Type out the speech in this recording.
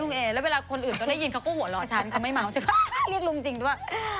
ลุงเอแล้วเวลาคนอื่นก็ได้ยินเขาก็หัวหลอกฉันก็ไม่เม้าเรียกลุงจริงด้วย